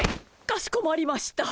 かしこまりました。